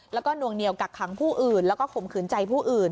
แล้วก็นวงเหนียวกักขังผู้อื่นแล้วก็ข่มขืนใจผู้อื่น